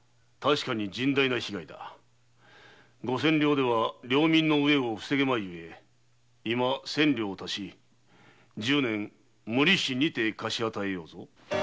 五千両では領民の飢えを防げまいゆえ今千両を足し十年無利子にて貸し与えようぞ。